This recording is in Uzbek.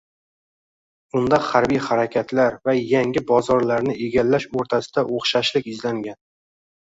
unda harbiy harakatlar va yangi bozorlarni egallash o‘rtasida o‘xshashlik izlangan.